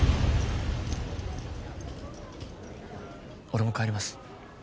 俺も帰ります